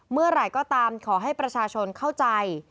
เมื่อไหร่ก็ตามขอให้ประชาชนเข้าใจ